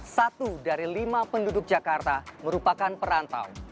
satu dari lima penduduk jakarta merupakan perantau